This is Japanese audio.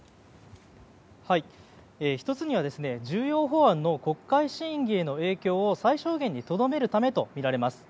１つには重要法案の国会審議への影響を最小限にとどめるためとみられます。